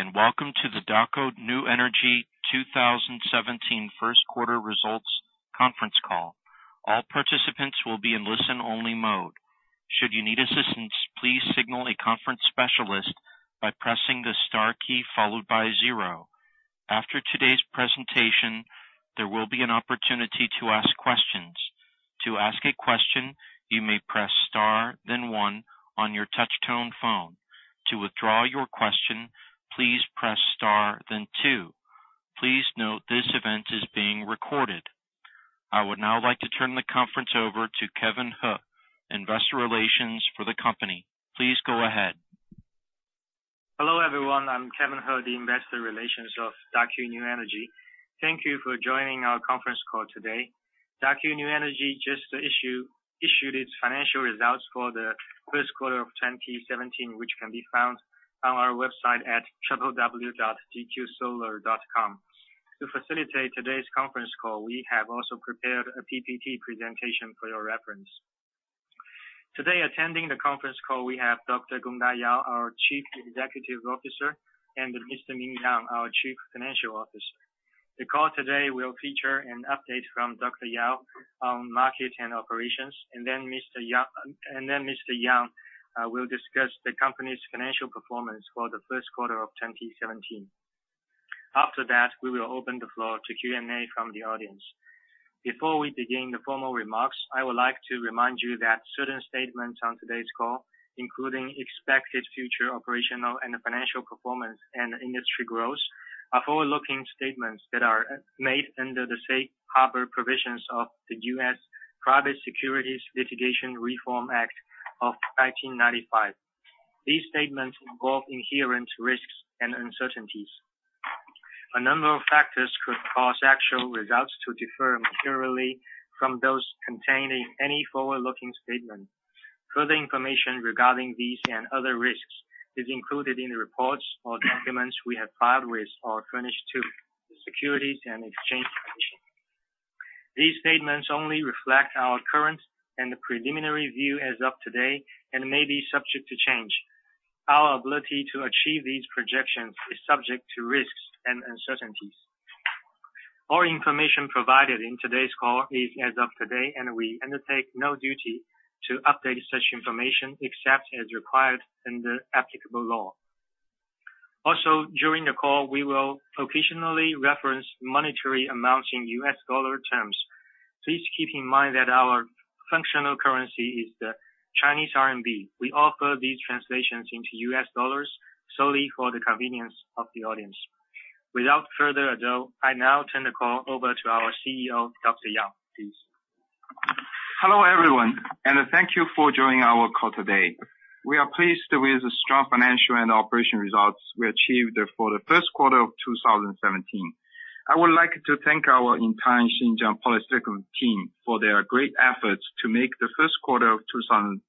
Good day, and welcome to the Daqo New Energy 2017 1st Quarter results Conference Call. After today's presentation, there will be an opportunity to ask questions. Please note this event is being recorded. I would now like to turn the conference over to Kevin He, Investor Relations for the company. Please go ahead. Hello, everyone. I'm Kevin He, the Investor Relations of Daqo New Energy. Thank you for joining our conference call today. Daqo New Energy just issued its financial results for the first quarter of 2017, which can be found on our website at www.dqsolar.com. To facilitate today's conference call, we have also prepared a PPT presentation for your reference. Today, attending the conference call we have Dr. Gongda Yao, our Chief Executive Officer, and Mr. Ming Yang, our Chief Financial Officer. The call today will feature an update from Dr. Yao on market and operations, then Mr. Yang will discuss the company's financial performance for the first quarter of 2017. After that, we will open the floor to Q&A from the audience. Before we begin the formal remarks, I would like to remind you that certain statements on today's call, including expected future operational and financial performance and industry growth, are forward-looking statements that are made under the safe harbor provisions of the U.S. Private Securities Litigation Reform Act of 1995. These statements involve inherent risks and uncertainties. A number of factors could cause actual results to differ materially from those contained in any forward-looking statement. Further information regarding these and other risks is included in the reports or documents we have filed with or furnished to the Securities and Exchange Commission. These statements only reflect our current and preliminary view as of today and may be subject to change. Our ability to achieve these projections is subject to risks and uncertainties. All information provided in today's call is as of today, and we undertake no duty to update such information except as required under applicable law. Also, during the call, we will occasionally reference monetary amounts in US dollar terms. Please keep in mind that our functional currency is the Chinese RMB. We offer these translations into US dollars solely for the convenience of the audience. Without further ado, I now turn the call over to our CEO, Dr. Yao. Please. Hello, everyone, and thank you for joining our call today. We are pleased with the strong financial and operation results we achieved for the first quarter of 2017. I would like to thank our entire Xinjiang Polysilicon team for their great efforts to make the first quarter of 2017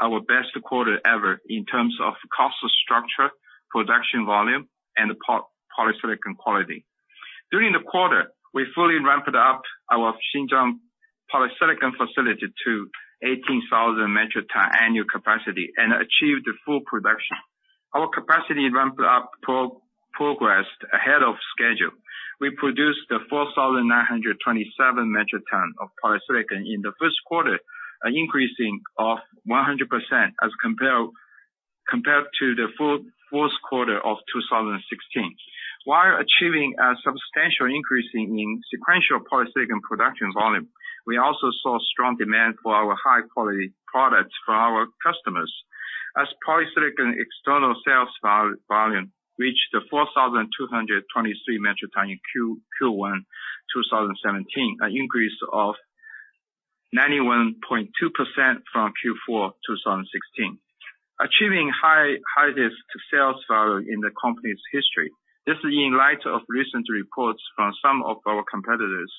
our best quarter ever in terms of cost structure, production volume and polysilicon quality. During the quarter, we fully ramped up our Xinjiang Polysilicon facility to 18,000 MT annual capacity and achieved full production. Our capacity ramp up progressed ahead of schedule. We produced 4,927 mt of polysilicon in the first quarter, an increasing of 100% as compared to the first quarter of 2016. While achieving a substantial increase in sequential polysilicon production volume, we also saw strong demand for our high-quality products from our customers. As polysilicon external sales volume reached the 4,223 mt in Q1 2017, an increase of 91.2% from Q4 2016. Achieving highest sales volume in the company's history. This is in light of recent reports from some of our competitors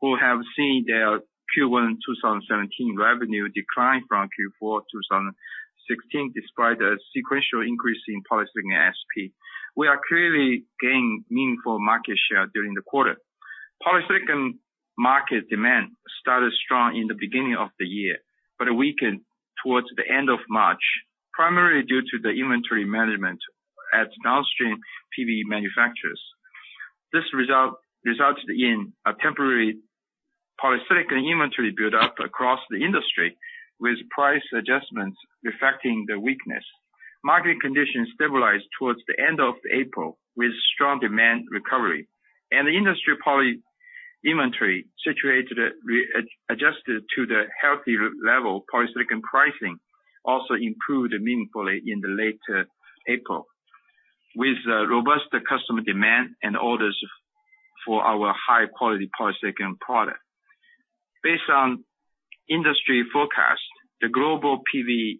who have seen their Q1 2017 revenue decline from Q4 2016 despite a sequential increase in polysilicon ASP. We are clearly gaining meaningful market share during the quarter. Polysilicon market demand started strong in the beginning of the year, but weakened towards the end of March, primarily due to the inventory management at downstream PV manufacturers. This resulted in a temporary polysilicon inventory buildup across the industry, with price adjustments reflecting the weakness. Market conditions stabilized towards the end of April with strong demand recovery and the industry poly inventory situated at adjusted to the healthy level. Polysilicon pricing also improved meaningfully in the late April with robust customer demand and orders for our high-quality polysilicon product. Based on industry forecast, the global PV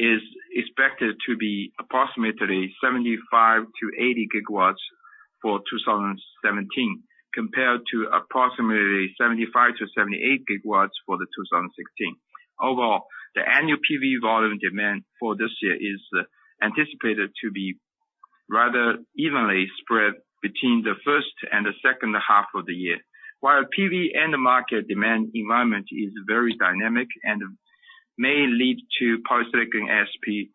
installations is expected to be approximately 75 GW - 80 GW for 2017, compared to approximately 75 GW -78 GW for the 2016. Overall, the annual PV volume demand for this year is anticipated to be rather evenly spread between the first and the second half of the year. While PV and the market demand environment is very dynamic and may lead to polysilicon ASP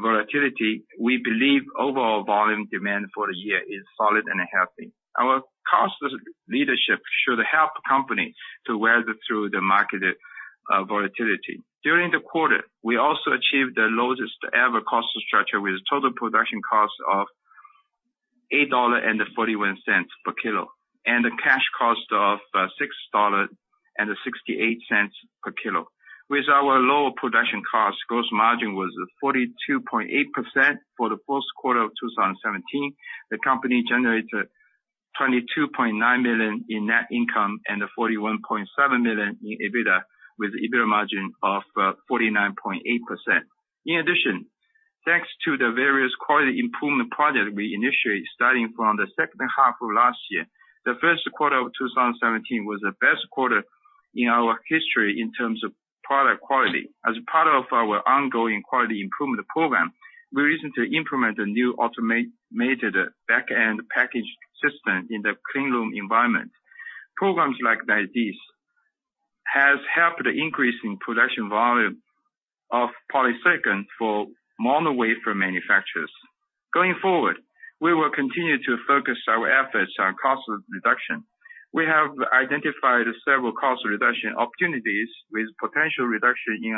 volatility, we believe overall volume demand for the year is solid and healthy. Our cost leadership should help the company to weather through the market volatility. During the quarter, we also achieved the lowest ever cost structure with total production cost of $8.41 per kilo, and a cash cost of $6.68 per kilo. With our low production cost, gross margin was 42.8% for the first quarter of 2017. The company generated $22.9 million in net income, and $41.7 million in EBITDA, with EBITDA margin of 49.8%. In addition, thanks to the various quality improvement projects we initiated starting from the second half of last year, the first quarter of 2017 was the best quarter in our history in terms of product quality. As part of our ongoing quality improvement program, we recently implemented a new automated backend package system in the clean room environment. Programs like this has helped increase in production volume of polysilicon for mono wafer manufacturers. Going forward, we will continue to focus our efforts on cost reduction. We have identified several cost reduction opportunities with potential reduction in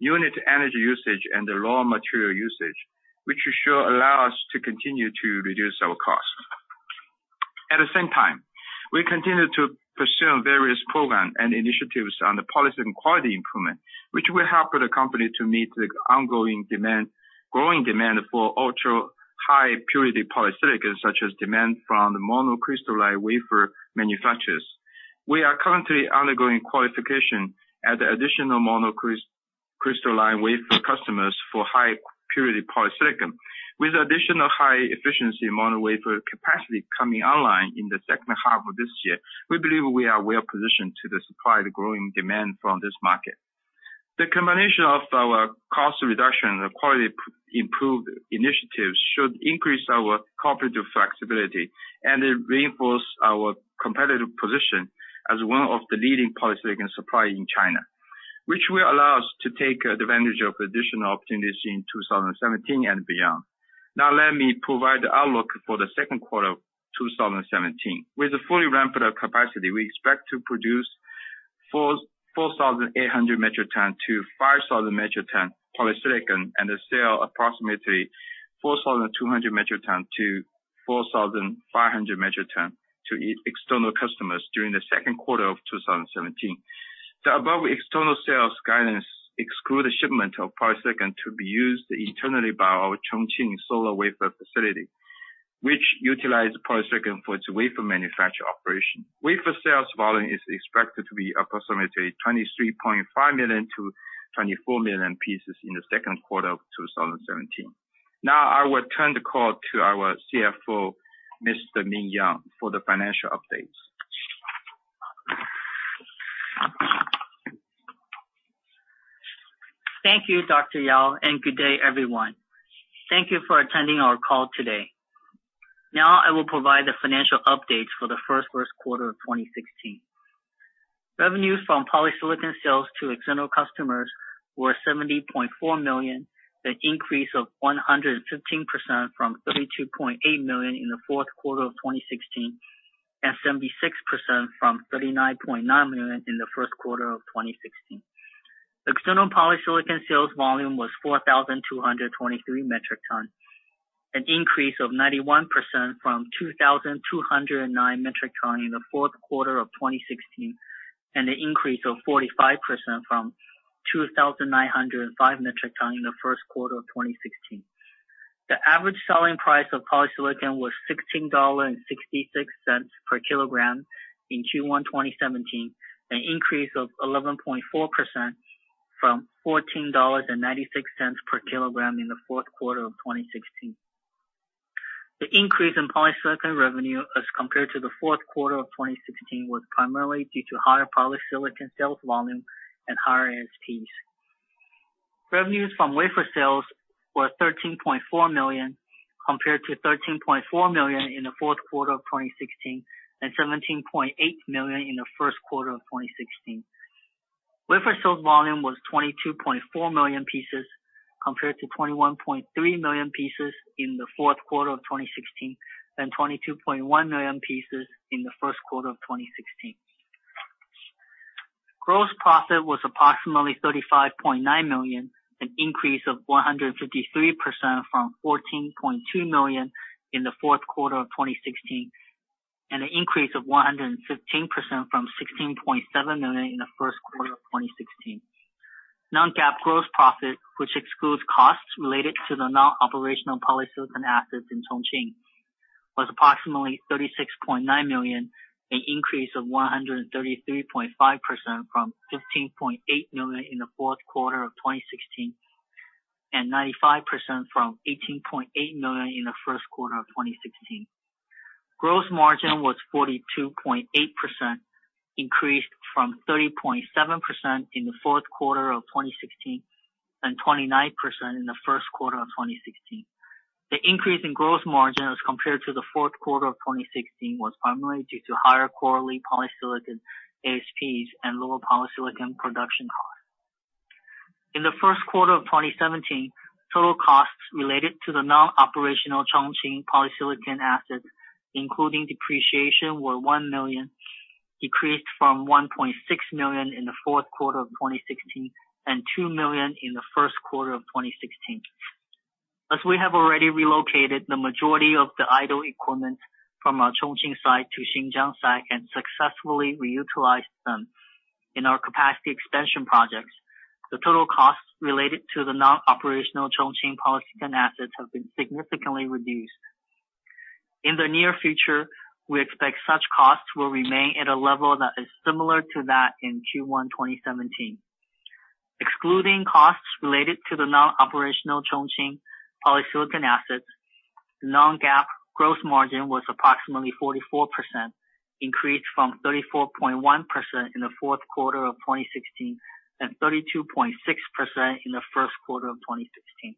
unit energy usage and the raw material usage, which should allow us to continue to reduce our cost. At the same time, we continue to pursue various programs and initiatives on the polysilicon quality improvement, which will help the company to meet the ongoing growing demand for ultra-high purity polysilicon, such as demand from the monocrystalline wafer manufacturers. We are currently undergoing qualification at the additional monocrystalline wafer customers for high purity polysilicon. With additional high efficiency mono wafer capacity coming online in the second half of this year, we believe we are well-positioned to supply the growing demand from this market. The combination of our cost reduction and quality improvement initiatives should increase our corporate flexibility, and it reinforce our competitive position as one of the leading polysilicon supplier in China, which will allow us to take advantage of additional opportunities in 2017 and beyond. Let me provide the outlook for the second quarter of 2017. With the fully ramped capacity, we expect to produce 4,800 MT - 5,000 MT polysilicon, and then sell approximately 4,200 MT - 4,500 MT to external customers during the second quarter of 2017. The above external sales guidance exclude a shipment of polysilicon to be used internally by our Chongqing solar wafer facility, which utilize polysilicon for its wafer manufacture operation. Wafer sales volume is expected to be approximately 23.5 million to 24 million pieces in the second quarter of 2017. I will turn the call to our CFO, Mr. Ming Yang, for the financial updates. Thank you, Dr. Yao. Good day, everyone. Thank you for attending our call today. Now I will provide the financial updates for the first quarter of 2016. Revenues from polysilicon sales to external customers were $70.4 million, an increase of 115% from $32.8 million in the fourth quarter of 2016, and 76% from $39.9 million in the first quarter of 2016. External polysilicon sales volume was 4,223 MT, an increase of 91% from 2,209 MT in the fourth quarter of 2016, and an increase of 45% from 2,905 MT in the first quarter of 2016. The average selling price of polysilicon was $16.66 per kg in Q1 2017, an increase of 11.4% from $14.96 per kg in the fourth quarter of 2016. The increase in polysilicon revenue as compared to the fourth quarter of 2016 was primarily due to higher polysilicon sales volume and higher ASPs. Revenues from wafer sales were $13.4 million, compared to $13.4 million in the fourth quarter of 2016, and $17.8 million in the first quarter of 2016. Wafer sales volume was 22.4 million pieces, compared to 21.3 million pieces in the fourth quarter of 2016, and 22.1 million pieces in the first quarter of 2016. Gross profit was approximately $35.9 million, an increase of 153% from $14.2 million in the fourth quarter of 2016, and an increase of 115% from $16.7 million in the first quarter of 2016. Non-GAAP gross profit, which excludes costs related to the non-operational polysilicon assets in Chongqing, was approximately $36.9 million, an increase of 133.5% from $15.8 million in the fourth quarter of 2016, and 95% from $18.8 million in the first quarter of 2016. Gross margin was 42.8%, increased from 30.7% in the fourth quarter of 2016 and 29% in the first quarter of 2016. The increase in gross margin as compared to the fourth quarter of 2016 was primarily due to higher quarterly polysilicon ASPs and lower polysilicon production costs. In the first quarter of 2017, total costs related to the non-operational Chongqing polysilicon assets, including depreciation, were $1 million, decreased from $1.6 million in the fourth quarter of 2016 and $2 million in the first quarter of 2016. As we have already relocated the majority of the idle equipment from our Chongqing site to Xinjiang site and successfully reutilized them in our capacity expansion projects, the total costs related to the non-operational Chongqing polysilicon assets have been significantly reduced. In the near future, we expect such costs will remain at a level that is similar to that in Q1 2017. Excluding costs related to the non-operational Chongqing polysilicon assets, the non-GAAP gross margin was approximately 44%, increased from 34.1% in the fourth quarter of 2016 and 32.6% in the first quarter of 2016.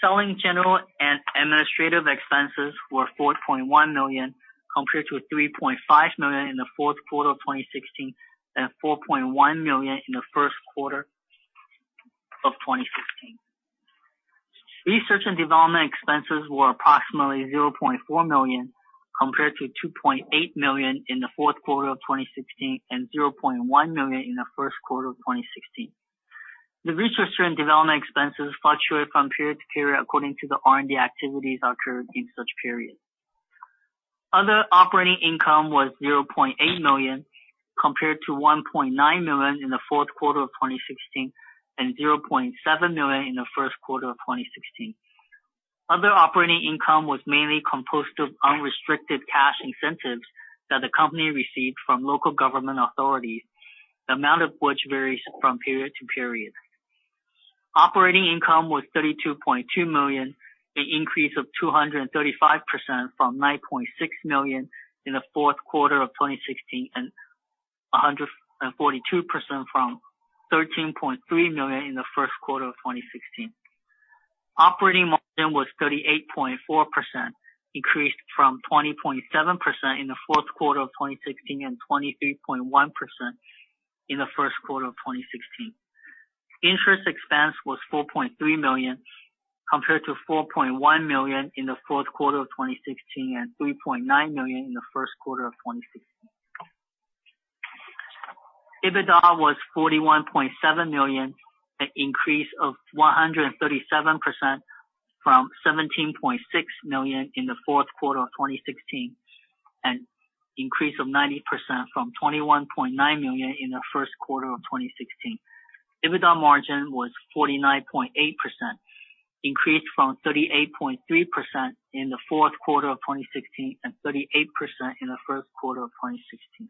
Selling, general, and administrative expenses were $4.1 million, compared to $3.5 million in the fourth quarter of 2016 and $4.1 million in the first quarter of 2016. Research and development expenses were approximately $0.4 million, compared to $2.8 million in the fourth quarter of 2016 and $0.1 million in the first quarter of 2016. The research and development expenses fluctuate from period to period according to the R&D activities occurred in such periods. Other operating income was $0.8 million, compared to $1.9 million in the fourth quarter of 2016 and $0.7 million in the first quarter of 2016. Other operating income was mainly composed of unrestricted cash incentives that the company received from local government authorities, the amount of which varies from period to period. Operating income was $32.2 million, an increase of 235% from $9.6 million in the fourth quarter of 2016, and 142% from $13.3 million in the first quarter of 2016. Operating margin was 38.4%, increased from 20.7% in the fourth quarter of 2016 and 23.1% in the first quarter of 2016. Interest expense was $4.3 million, compared to $4.1 million in the fourth quarter of 2016 and $3.9 million in the first quarter of 2016. EBITDA was $41.7 million, an increase of 137% from $17.6 million in the fourth quarter of 2016, and increase of 90% from $21.9 million in the first quarter of 2016. EBITDA margin was 49.8%, increased from 38.3% in the fourth quarter of 2016 and 38% in the first quarter of 2016.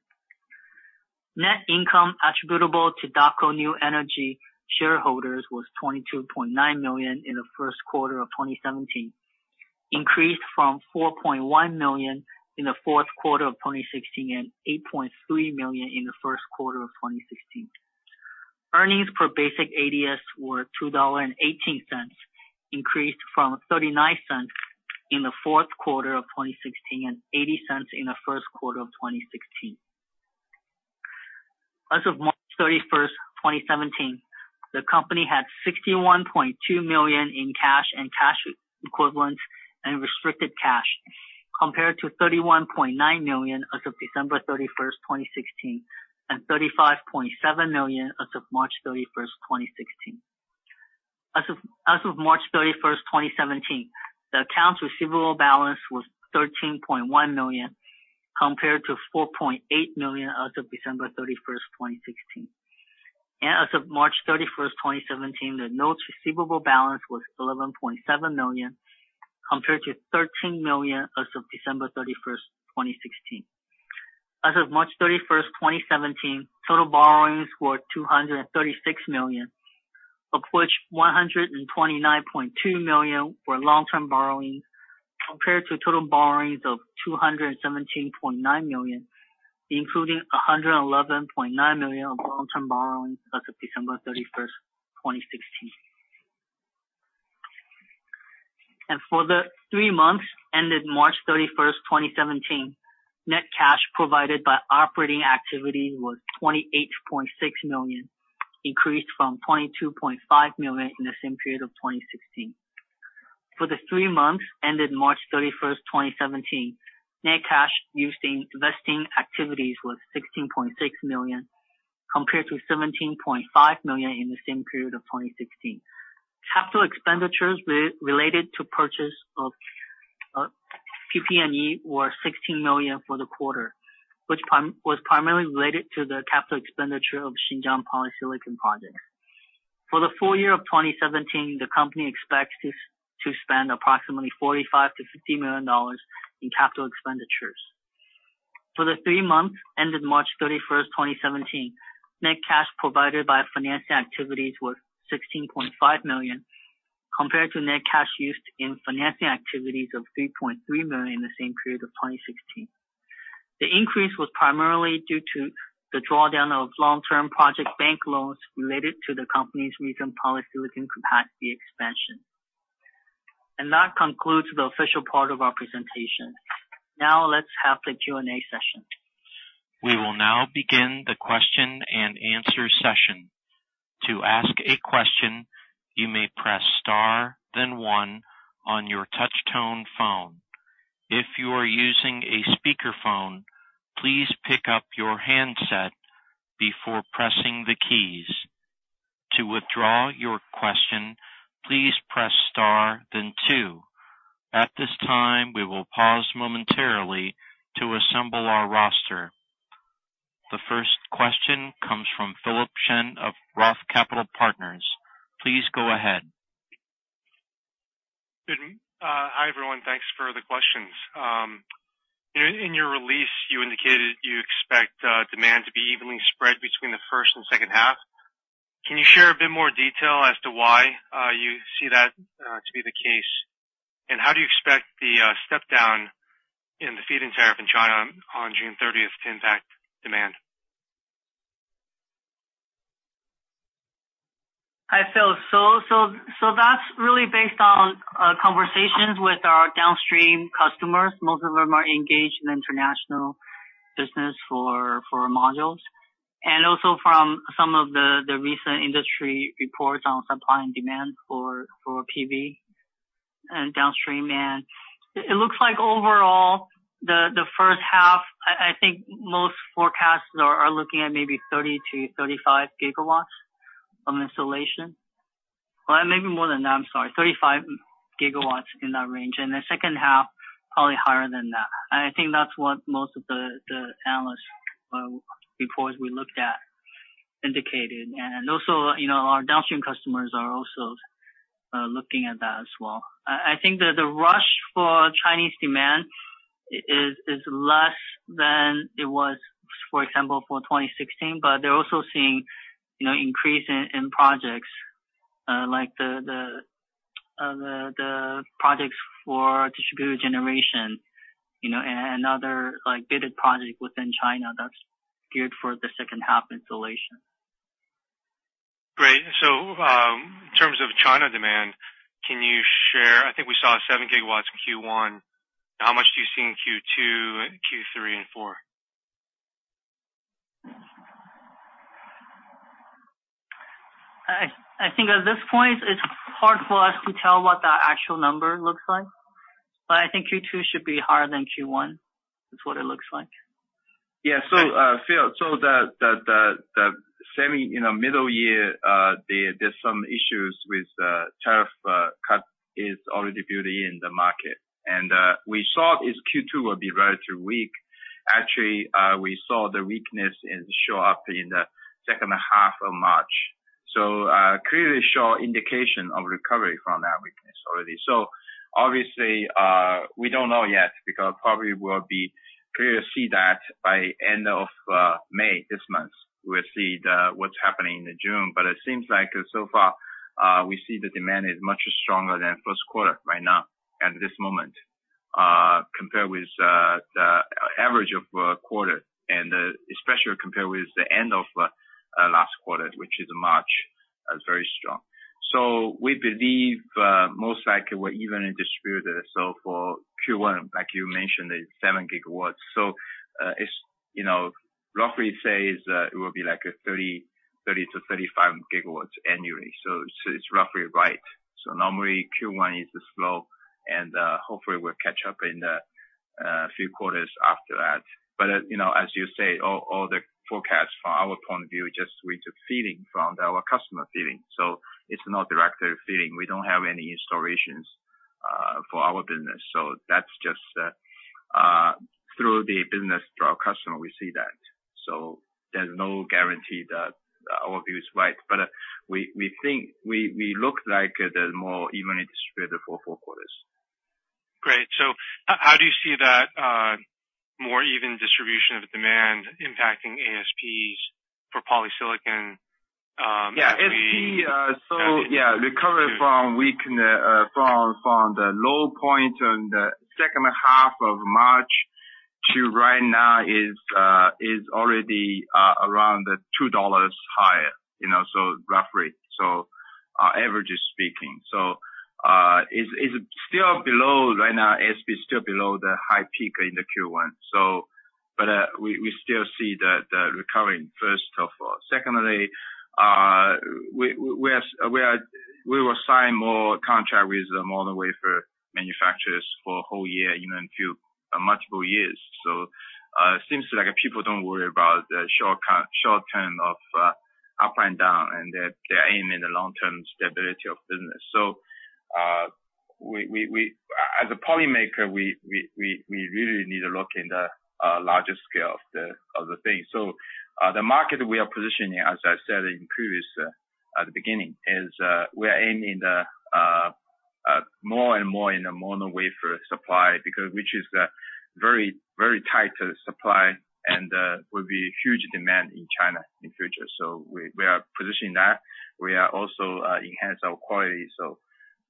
Net income attributable to Daqo New Energy shareholders was $22.9 million in the first quarter of 2017, increased from $4.1 million in the fourth quarter of 2016 and $8.3 million in the first quarter of 2016. Earnings per basic ADS were $2.18, increased from $0.39 in the fourth quarter of 2016 and $0.80 in the first quarter of 2016. As of March 31, 2017, the company had $61.2 million in cash and cash equivalents and restricted cash, compared to $31.9 million as of December 31, 2016, and $35.7 million as of March 31, 2016. As of March 31, 2017, the accounts receivable balance was $13.1 million, compared to $4.8 million as of December 31, 2016. As of March 31, 2017, the notes receivable balance was $11.7 million, compared to $13 million as of December 31, 2016. As of March 31, 2017, total borrowings were $236 million, of which $129.2 million were long-term borrowings, compared to total borrowings of $217.9 million, including $111.9 million of long-term borrowings as of December 31, 2016. For the three months ended March 31, 2017, net cash provided by operating activity was $28.6 million, increased from $22.5 million in the same period of 2016. For the three months ended March 31, 2017, net cash used in investing activities was $16.6 million, compared to $17.5 million in the same period of 2016. Capital expenditures related to purchase of PP&E were $16 million for the quarter, which was primarily related to the capital expenditure of Xinjiang Polysilicon Project. For the full year of 2017, the company expects to spend approximately $45 million-$50 million in capital expenditures. For the three months ended March 31st, 2017, net cash provided by financing activities was $16.5 million compared to net cash used in financing activities of $3.3 million in the same period of 2016. The increase was primarily due to the drawdown of long-term project bank loans related to the company's recent polysilicon capacity expansion. That concludes the official part of our presentation. Now let's have the Q&A session. We will now begin the question and answer session. To ask a question, you may press star then one on your touchtone phone. If you are using a speakerphone, please pick up your handset before pressing the keys. To withdraw your question, please press star then two. At this time, we will pause momentarily to assemble our roster. The first question comes from Philip Shen of Roth Capital Partners. Please go ahead. Good. Hi, everyone. Thanks for the questions. In your release, you indicated you expect demand to be evenly spread between the first and second half. Can you share a bit more detail as to why you see that to be the case? How do you expect the step down in the feed-in tariff in China on June 30th to impact demand? Hi, Phil. That's really based on conversations with our downstream customers. Most of them are engaged in international business for modules. Also from some of the recent industry reports on supply and demand for PV and downstream. It looks like overall the first half I think most forecasts are looking at maybe 30 GW - 35 GW of installation. Well, maybe more than that, I'm sorry, 35 GW in that range. The second half, probably higher than that. I think that's what most of the analysts reports we looked at indicated. Also, you know, our downstream customers are also looking at that as well. I think the rush for Chinese demand is less than it was, for example, for 2016, but they're also seeing, you know, increase in projects, like the projects for distributed generation, you know, and other like bigger project within China that's geared for the second half installation. Great. In terms of China demand, can you share I think we saw 7 GW in Q1. How much do you see in Q2, Q3 and Q4? I think at this point it's hard for us to tell what the actual number looks like. I think Q2 should be higher than Q1. That's what it looks like. Yeah. Phil, the semi, you know, middle year, there's some issues with tariff cut is already built in the market. We thought is Q2 will be relatively weak. Actually, we saw the weakness is show up in the second half of March. Clearly show indication of recovery from that weakness already. Obviously, we don't know yet because probably we'll be clear to see that by end of May this month. We'll see what's happening in June. It seems like so far, we see the demand is much stronger than first quarter right now at this moment, compared with the average of quarter and especially compared with the end of last quarter, which is March, as very strong. We believe most likely we're even in distributor. For Q1, like you mentioned, is 7 GW. It's, you know, roughly say is it will be like a 30 GW - 35 GW annually. It's, it's roughly right. Normally Q1 is slow and hopefully will catch up in the few quarters after that. You know, as you say, all the forecasts from our point of view, just we took feeling from our customer feeling. It's not direct feeling. We don't have any installations for our business. That's just through the business, through our customer, we see that. There's no guarantee that our view is right. We look like there's more evenly distributed for four quarters. Great. How do you see that more even distribution of demand impacting ASPs for polysilicon? Yeah. ASP, recovery from weak, from the low point on the second half of March to right now is already around $2 higher, you know, roughly. Averages speaking. Is still below right now, ASP is still below the high peak in the Q1. We still see the recovery first of all. Secondly, we will sign more contract with the mono wafer manufacturers for whole year, even few multiple years. Seems like people don't worry about the short term of up and down, and they aim in the long-term stability of business. As a poly maker, we really need to look in the larger scale of the thing. The market we are positioning, as I said in previous, at the beginning, is we are aiming More and more in the mono wafer supply because which is very, very tight supply and will be huge demand in China in future. We are positioning that. We are also enhance our quality.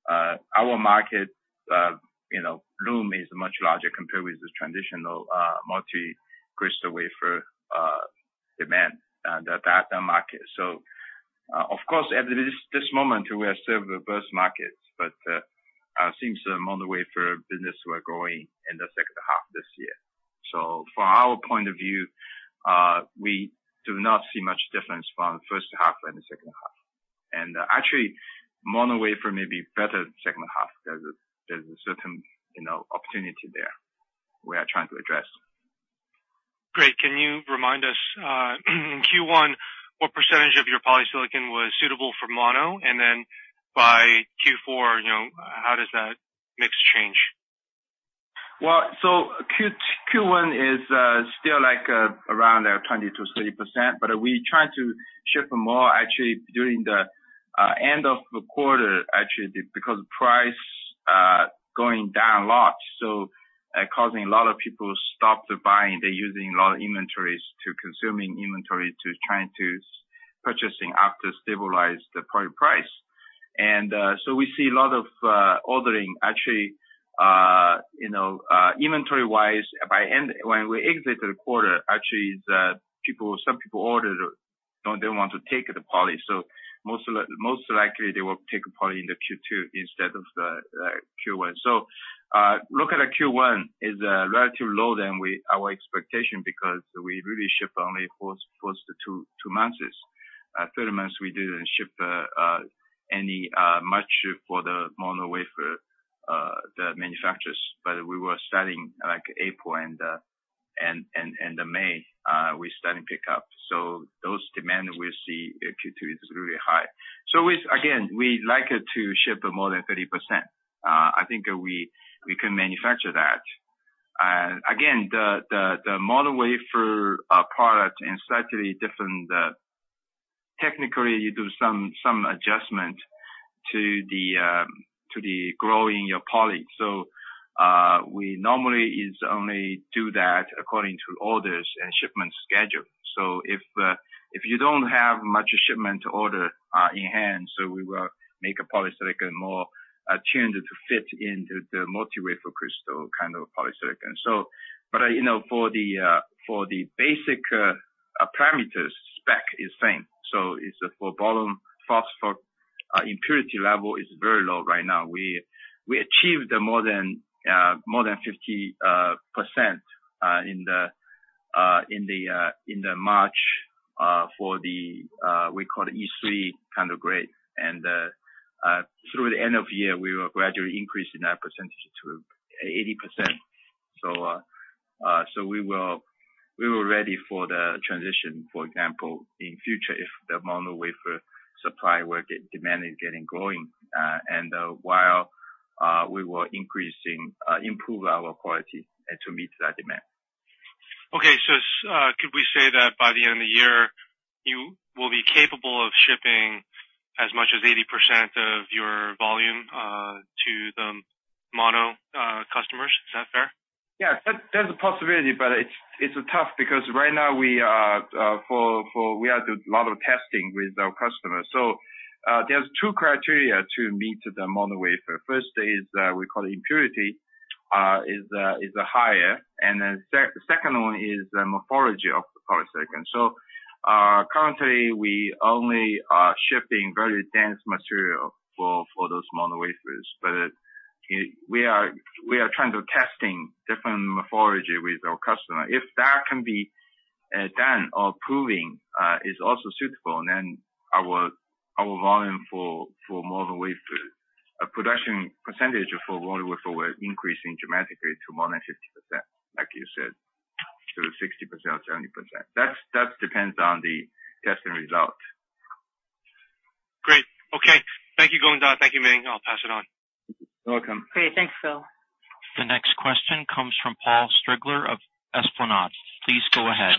Our market, you know, room is much larger compared with the traditional multicrystalline wafer demand, the that market. Of course, at this moment, we are serve both markets. Seems the mono wafer business were growing in the second half this year. From our point of view, we do not see much difference from first half and the second half. Actually, mono wafer may be better second half. There's a certain, you know, opportunity there we are trying to address. Great. Can you remind us, in Q1, what % of your polysilicon was suitable for mono? Then by Q4, you know, how does that mix change? Well, Q1 is still like 20% - 30%. We try to ship more actually during the end of the quarter, actually, because price going down a lot, causing a lot of people to stop the buying. They're using a lot of inventories to consuming inventory, to trying to purchasing after stabilize the polysilicon price. We see a lot of ordering actually, you know, inventory-wise, when we exited the quarter, actually, some people ordered, they want to take the polysilicon. Most likely they will take polysilicon in the Q2 instead of the Q1. Look at the Q1 is relative low than our expectation, because we really ship only for the two months. For months we didn't ship any much for the mono wafer, the manufacturers. We were starting like April and May, we starting pick up. Those demand we see in Q2 is really high. Again, we like it to ship more than 30%. I think we can manufacture that. Again, the mono wafer product and slightly different, technically, you do some adjustment to the growing your polysilicon. We normally is only do that according to orders and shipment schedule. If you don't have much shipment order in hand, we will make a polysilicon more tuned to fit into the multicrystalline wafer kind of polysilicon. But, you know, for the basic parameters, spec is same. It's for boron, phosphorus, impurity level is very low right now. We achieved more than 50% in the March for the we call it E3 kind of grade. Through the end of year, we will gradually increase in that percentage to 80%. We were ready for the transition, for example, in future, if the mono wafer supply were demand is getting growing, and while we were increasing, improve our quality to meet that demand. Okay. Could we say that by the end of the year, you will be capable of shipping as much as 80% of your volume to the mono customers? Is that fair? Yeah. That's a possibility, but it's tough because right now we are for We are do lot of testing with our customers. There's two criteria to meet the mono wafer. First is, we call it impurity, is higher. Second one is the morphology of the polysilicon. Currently, we only are shipping very dense material for those mono wafers. We are trying to testing different morphology with our customer. If that can be done or proving is also suitable, our volume for mono wafer production percentage for mono wafer will increase dramatically to more than 50%, like you said, to 60%, 70%. That depends on the testing result. Great. Okay. Thank you, Gongda. Thank you, Ming. I'll pass it on. You're welcome. Great. Thanks, Phil. The next question comes from Paul Strigler of Esplanade. Please go ahead.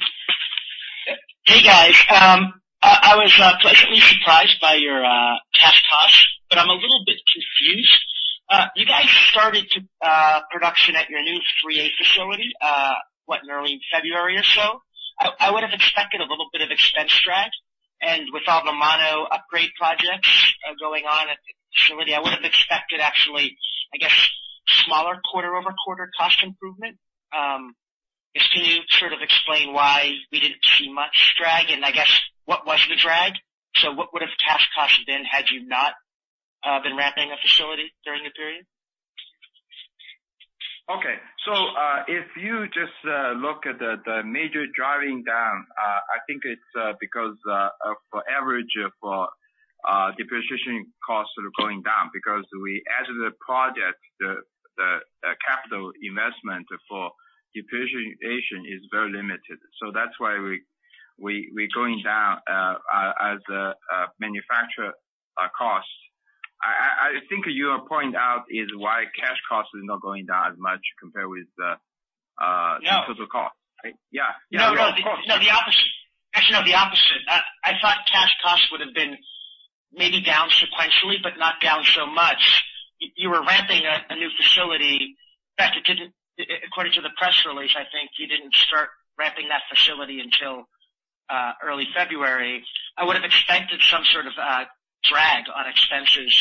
Hey, guys. I was pleasantly surprised by your cash costs, but I'm a little bit confused. You guys started to production at your new Phase 3A facility, what, in early February or so. I would have expected a little bit of expense drag. With all the mono upgrade projects, going on at the facility, I would have expected actually, I guess, smaller quarter-over-quarter cost improvement. Can you sort of explain why we didn't see much drag? I guess, what was the drag? What would have cash cost been had you not been ramping a facility during the period? Okay. If you just look at the major driving down, I think it's because for average depreciation costs are going down because the capital investment for depreciation is very limited. That's why we're going down as a manufacture cost. I think you point out is why cash cost is not going down as much compared with because of cost, right? Yeah. No, the opposite. No, the opposite. I thought cash costs would have been maybe down sequentially, but not down so much. You were ramping a new facility. In fact, it didn't according to the press release, I think you didn't start ramping that facility until early February. I would have expected some sort of drag on expenses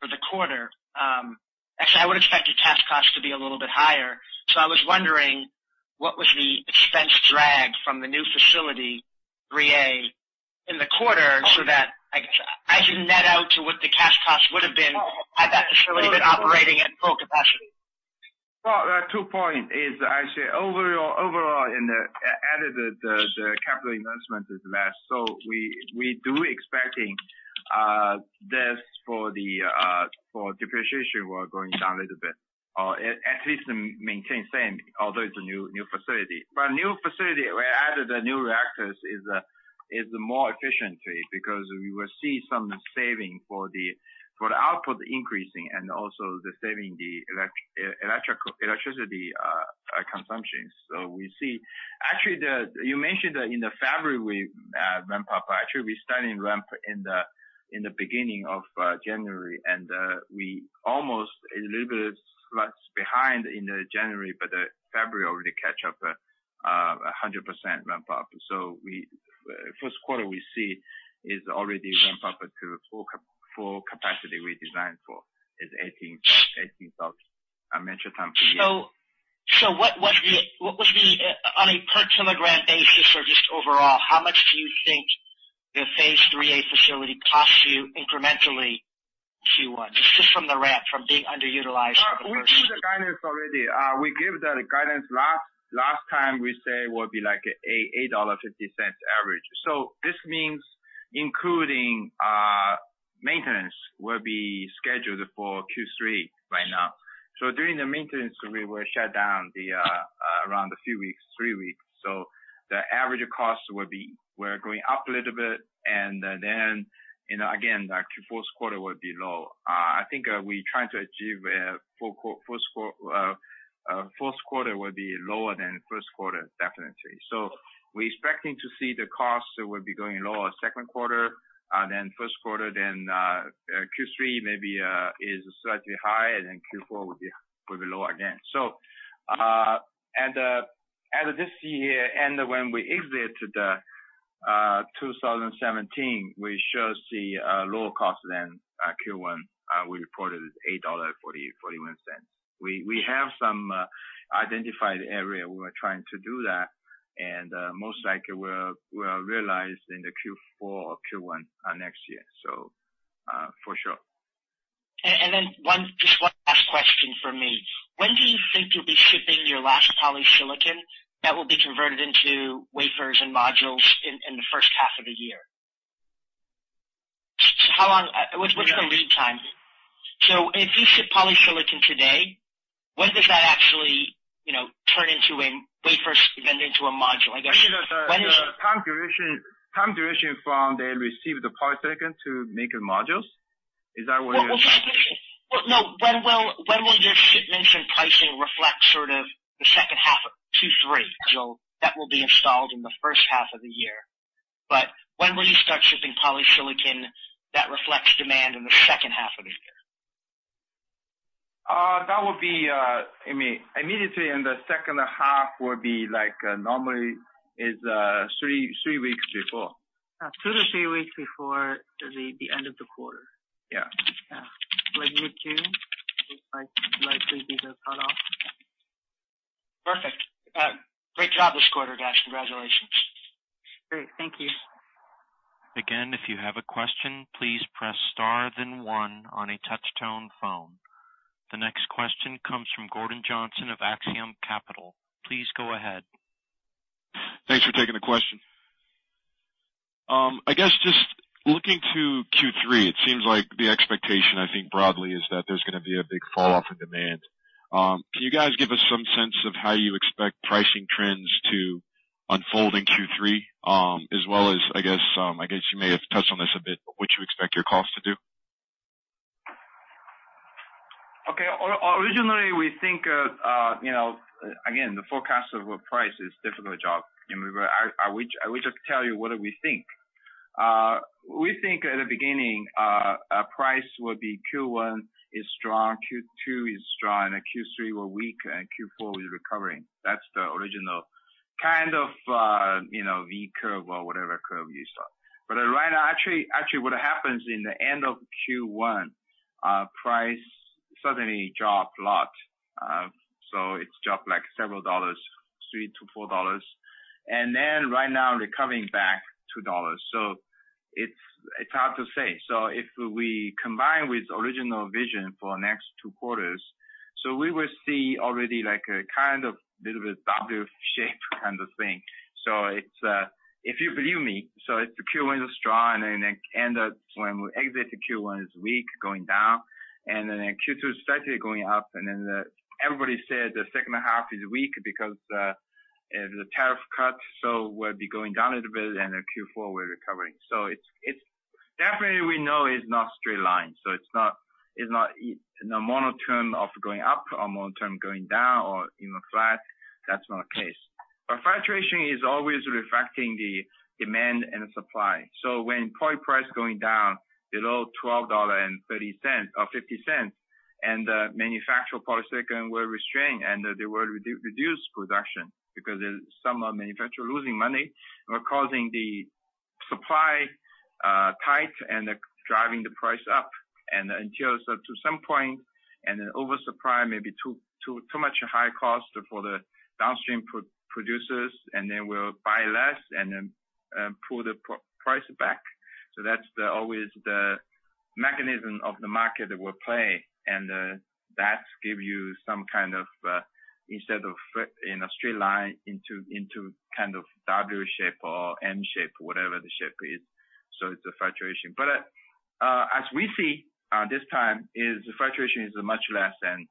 for the quarter. I would expect your cash costs to be a little bit higher. I was wondering, what was the expense drag from the new facility, Phase 3A, in the quarter as you net out to what the cash costs would have been had that facility been operating at full capacity. There are two points overall in the added, the capital investment is less. We do expecting this for the for depreciation were going down a little bit, or at least maintain same, although it's a new facility. New facility, we added the new reactors is more efficiently because we will see some saving for the output increasing and also the saving the electricity consumption. We see Actually, you mentioned that in the February ramp up. Actually, we started ramp in the beginning of January, and we almost a little bit behind in the January, but February already catch up 100% ramp up. We first quarter we see is already ramp up to full capacity we designed for. It's 18,000 MT per year. What was the on a per kilogram basis or just overall, how much do you think the Phase 3A facility costs you incrementally, Q1? Just from the ramp, from being underutilized for the first. We give the guidance already. We give the guidance last time we say will be like a $8.50 average. This means including, maintenance will be scheduled for Q3 by now. During the maintenance, we will shut down the, around a few weeks, three weeks. The average cost will be going up a little bit and then, you know, again, like fourth quarter will be low. I think, we trying to achieve, fourth quarter will be lower than first quarter, definitely. We expecting to see the cost will be going lower second quarter, than first quarter, then, Q3 maybe, is slightly high, and then Q4 will be lower again. As this year end when we exit the 2017, we should see lower cost than Q1. We reported $8.41. We have some identified area we are trying to do that, and most likely will realize in the Q4 or Q1 next year. For sure. Just one last question from me. When do you think you'll be shipping your last polysilicon that will be converted into wafers and modules in the first half of the year? How long, what's the lead time? If you ship polysilicon today, when does that actually, you know, turn into a wafer, then into a module? You mean the time duration from they receive the polysilicon to make modules? Well, yeah. Well, no. When will your shipments and pricing reflect sort of the second half of Q3? That will be installed in the first half of the year. When will you start shipping polysilicon that reflects demand in the second half of the year? That would be, I mean, immediately in the second half will be like, normally is, three weeks before. two to three weeks before the end of the quarter. Yeah. Yeah. Like mid-June is like, likely be the cutoff. Perfect. great job this quarter, guys. Congratulations. Great. Thank you. Again, if you have a question, please press star then one on a touch tone phone. The next question comes from Gordon Johnson of Axiom Capital. Please go ahead. Thanks for taking the question. I guess just looking to Q3, it seems like the expectation, I think broadly, is that there's gonna be a big fall off in demand. Can you guys give us some sense of how you expect pricing trends to unfold in Q3? As well as, I guess, I guess you may have touched on this a bit, but what you expect your costs to do? Okay. Originally, we think, you know, again, the forecast of a price is difficult job. You know, I wish to tell you what do we think. We think at the beginning, price would be Q1 is strong, Q2 is strong, Q3 were weak, Q4 is recovering. That's the original kind of, you know, V curve or whatever curve you saw. Right now, actually, what happens in the end of Q1, price suddenly dropped a lot. It's dropped like several dollars, $3 - $4. Right now, recovering back $2. It's hard to say. If we combine with original vision for next two quarters, we will see already like a kind of little bit W shape kind of thing. It's, if you believe me, it's Q1 is strong, it end up when we exit the Q1 is weak, going down. Q2 started going up, everybody said the second half is weak because the tariff cut, we'll be going down a little bit, Q4, we're recovering. Definitely we know it's not straight line, it's not, it's not in a mono term of going up or mono term going down or, you know, flat. That's not the case. Fluctuation is always reflecting the demand and supply. When poly price going down below $12.30 or $12.50, manufacturer polysilicon were restrained, they were reduce production because some are manufacturer losing money or causing the supply tight and they're driving the price up. Until so to some point, and then oversupply maybe too much high cost for the downstream producers, and they will buy less and then pull the price back. That's the always the mechanism of the market that will play. That give you some kind of instead of in a straight line into kind of W shape or M shape, whatever the shape is. It's a fluctuation. As we see, this time is the fluctuation is much less than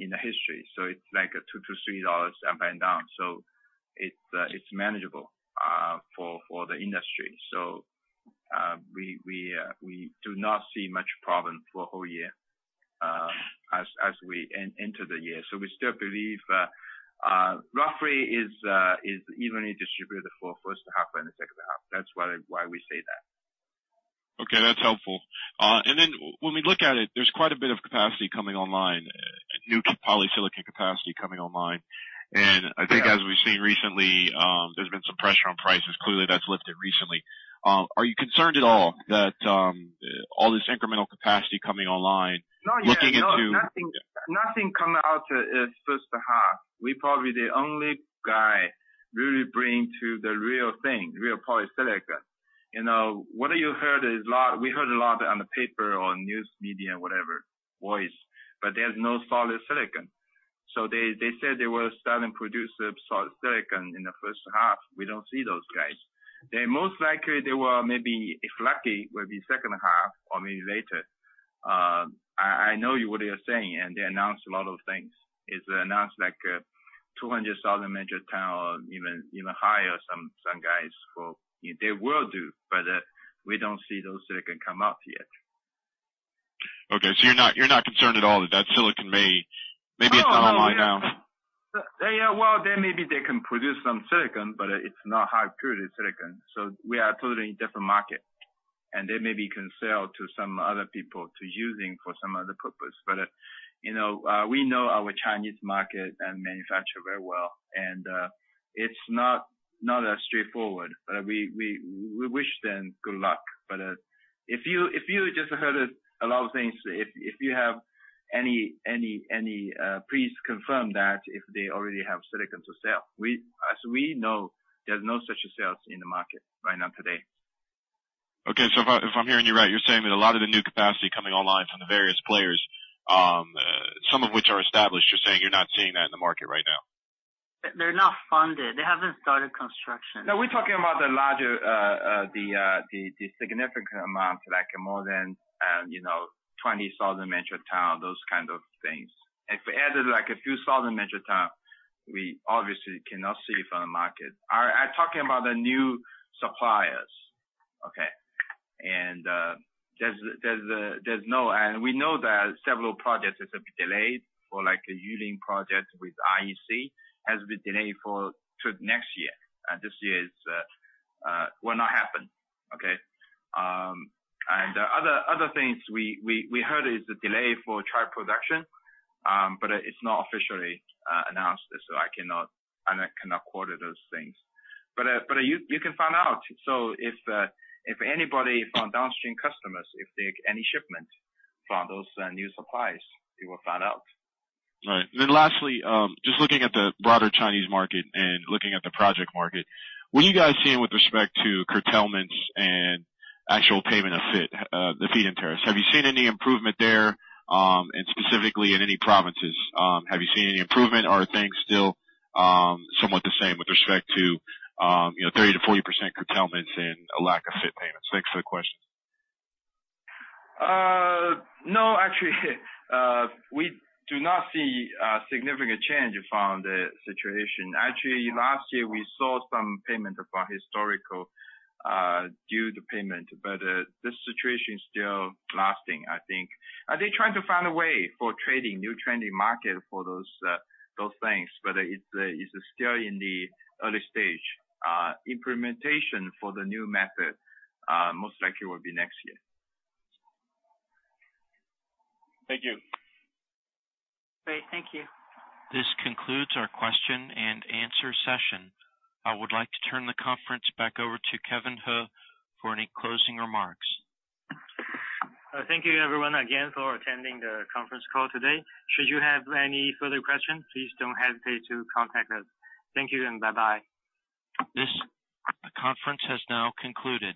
in the history. It's like a $2 - $3 up and down. It's manageable for the industry. We do not see much problem for whole year as we enter the year. We still believe, roughly is evenly distributed for first half and the second half. That's why we say that. Okay, that's helpful. When we look at it, there's quite a bit of capacity coming online, new polysilicon capacity coming online. I think as we've seen recently, there's been some pressure on prices. Clearly, that's lifted recently. Are you concerned at all that all this incremental capacity coming online? Not yet. No. Looking into- Nothing, nothing come out in first half. We probably the only guy really bring to the real thing, real polysilicon. You know, We heard a lot on the paper or news media, whatever, voice, but there's no polysilicon. They said they will start and produce polysilicon in the first half. We don't see those guys. They most likely will maybe, if lucky, be second half or maybe later. I know you what you're saying, and they announced a lot of things. It's announced like 200,000 MT, even higher some guys for They will do, but we don't see those polysilicon come out yet. Okay. You're not concerned at all that that silicon maybe it's online now? Oh, no. Yeah, well, they maybe can produce some silicon, but it's not high-purity silicon. We are totally different market, and they maybe can sell to some other people to using for some other purpose. You know, we know our Chinese market and manufacturer very well, and it's not as straightforward. We wish them good luck. If you just heard a lot of things, if you have any, please confirm that if they already have silicon to sell. As we know, there's no such sales in the market right now today. Okay. If I'm hearing you right, you're saying that a lot of the new capacity coming online from the various players, some of which are established, you're saying you're not seeing that in the market right now? They're not funded. They haven't started construction. No, we're talking about the larger, the significant amount, like more than, you know, 20,000 MT, those kind of things. If we added, like, a few thousand metric ton, we obviously cannot see from the market. I talking about the new suppliers. Okay. We know that several projects has been delayed for, like, a Yichang project with IEC has been delayed for to next year. This year's will not happen. Okay. Other things we heard is the delay for trial production, but it's not officially announced, so I cannot quote those things. You can find out. If, if anybody from downstream customers, if they any shipment from those, new suppliers, you will find out. All right. Lastly, just looking at the broader Chinese market and looking at the project market, what are you guys seeing with respect to curtailments and actual payment of the feed-in tariffs? Have you seen any improvement there, and specifically in any provinces? Have you seen any improvement, or are things still somewhat the same with respect to, you know, 30% -40% curtailments and a lack of FIT payments? Thanks for the question. No, actually, we do not see a significant change from the situation. Actually, last year, we saw some payment from historical, due to payment, but, this situation is still lasting, I think. They're trying to find a way for trading, new trading market for those things. It's still in the early stage. Implementation for the new method, most likely will be next year. Thank you. Great. Thank you. This concludes our question and answer session. I would like to turn the conference back over to Kevin He for any closing remarks. Thank you everyone again for attending the conference call today. Should you have any further questions, please don't hesitate to contact us. Thank you, bye-bye. This conference has now concluded.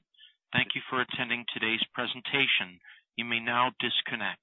Thank you for attending today's presentation. You may now disconnect.